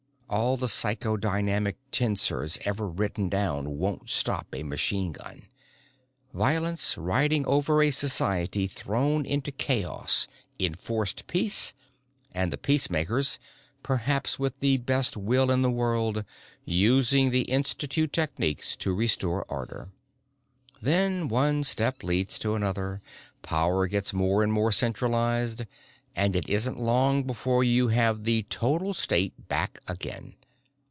"All the psychodynamic tensors ever written down won't stop a machine gun. Violence riding over a society thrown into chaos, enforced peace and the peace makers, perhaps with the best will in the world, using the Institute techniques to restore order. Then one step leads to another, power gets more and more centralized and it isn't long before you have the total state back again.